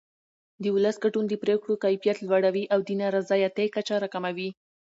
د ولس ګډون د پرېکړو کیفیت لوړوي او د نارضایتۍ کچه راکموي